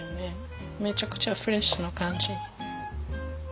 めちゃくちゃフレッシュな感じ。